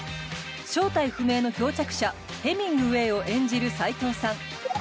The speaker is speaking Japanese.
正体不明の漂着者ヘミングウェイを演じる斎藤さん。